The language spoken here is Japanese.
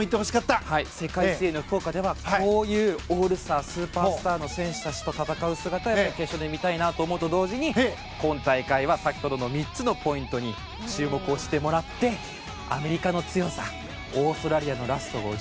世界水泳福岡ではこういうスーパースターオールスターの選手たちと戦う姿、決勝で見たいなと思うと同時に今大会は先ほどの３つのポイントに注目してもらってアメリカの強さオーストラリアのラスト５０ｍ